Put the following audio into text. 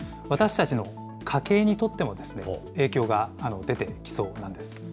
私たちの家計にとっても影響が出てきそうなんです。